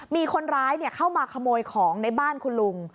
มีคนร้ายเข้ามาขโมยของในบ้านคุณลุง